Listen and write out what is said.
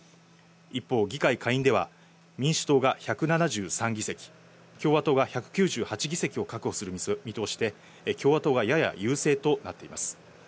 一方、議会下院では民主党が１７３議席、共和党が１９８議席を確保する見通しで、共和党がやや優勢となっています。